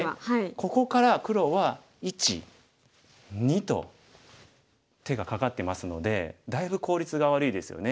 ここから黒は１２と手がかかってますのでだいぶ効率が悪いですよね。